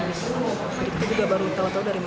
maka mereka juga belum bisa cerita